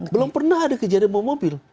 belum pernah ada kejadian mau mobil